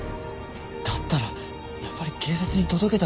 だったらやっぱり警察に届けたほうが。